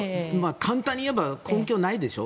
簡単に言えば根拠はないでしょ